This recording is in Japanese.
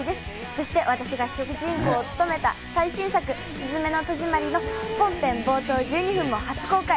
そして私が主人公をつとめた最新作『すずめの戸締まり』の本編冒頭１２分も初公開。